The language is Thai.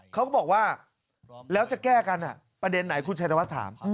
เขาก็บอกว่าแล้วจะแก้กันประเด็นไหนคุณชัยธนวัฒน์ถาม